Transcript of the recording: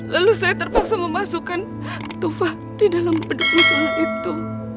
lalu saya terpaksa memasukkan tufa di dalam pendukung sana itu